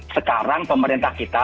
sekarang pemerintah kita